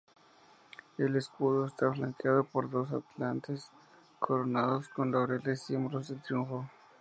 El escudo esta flanqueado por dos atlantes coronados con laureles, símbolos de triunfo.